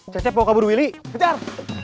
cecep mau kabur willy kejar